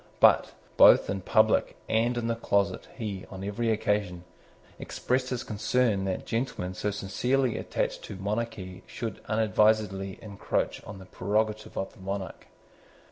But, both in public and in the closet, he, on every occasion, expressed his concern that gentlemen so sincerely attached to monarchy should unadvisedly encroach on the prerogative of the monarch.